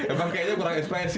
emang kayaknya kurang ekspresif ya